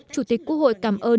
chủ tịch quốc hội cảm ơn